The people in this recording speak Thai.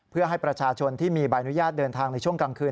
เพื่อให้ประชาชนที่มีใบอนุญาตเดินทางในช่วงกลางคืน